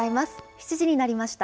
７時になりました。